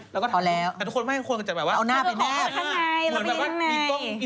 แล้วก็เอาแล้วแต่ทุกคนไม่ให้คนก็จะแบบว่าเอาหน้าไปแนบเอาหน้าไปข้างในแล้วไปยังไง